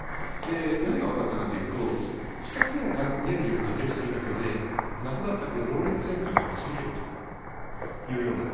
何がわかったかというと２つの原理を仮定するだけで謎だったこのローレンツ変換が導けるというようなことになりました。